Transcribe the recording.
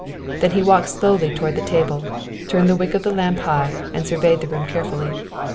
Then he walked slowly toward the table, turned the wick of the lamp high, and surveyed the room carefully.